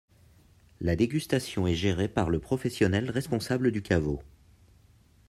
La dégustation est gérée par le professionnel responsable du caveau.